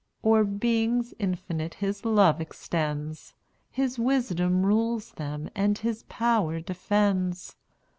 O'er beings infinite his love extends, His wisdom rules them, and his power defends.